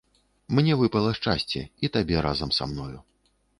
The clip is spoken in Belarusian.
Мне выпала шчасце, і табе разам са мною.